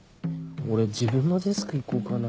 俺自分のデスク行こうかな。